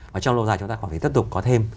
và trong lâu dài chúng ta còn phải tiếp tục có thêm